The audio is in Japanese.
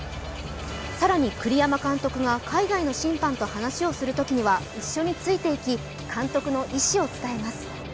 更に栗山監督が海外の審判と話をするときには一緒についていき監督の意思を伝えます。